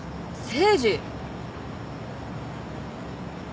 誠治。